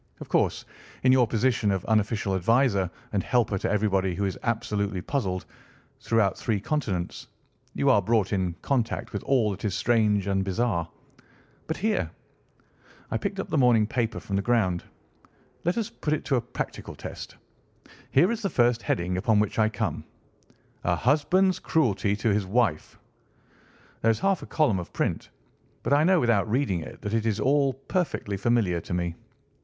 "Of course, in your position of unofficial adviser and helper to everybody who is absolutely puzzled, throughout three continents, you are brought in contact with all that is strange and bizarre. But here"—I picked up the morning paper from the ground—"let us put it to a practical test. Here is the first heading upon which I come. 'A husband's cruelty to his wife.' There is half a column of print, but I know without reading it that it is all perfectly familiar to me.